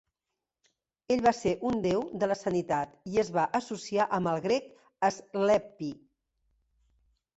Ell va ser un Déu de la Sanitat i es va associar amb el grec Asclepi.